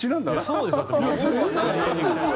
そうですよ。